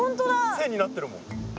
線になってるもん。